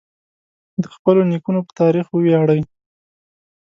د خپلو نیکونو په تاریخ وویاړئ.